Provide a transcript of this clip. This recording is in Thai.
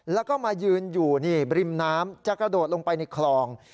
แล้วก็มายืนอยู่นี่ริมน้ำจะกระโดดลงไปในคลอง